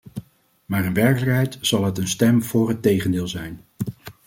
Maar in werkelijkheid zal het een stem voor het tegendeel zijn.